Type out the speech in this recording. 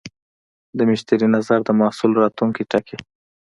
د مشتری نظر د محصول راتلونکی ټاکي.